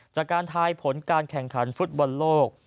การทายผลการแข่งขันฟุตบอลโลก